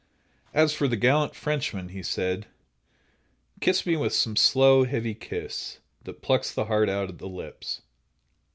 As for the gallant Frenchman, he said: Kiss me with some slow, heavy kiss, That plucks the heart out at the lips.